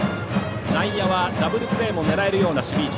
内野はダブルプレーも狙える守備位置。